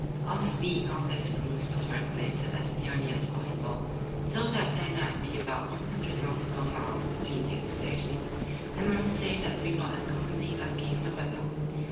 Our speed on this cruise was regulated as nearly as possible so that there might be about 100 nautical miles between each station, and I must say we were uncommonly lucky in the weather.